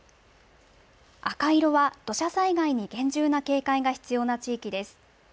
赤色は、土砂災害に厳重な警戒が必要な地域です。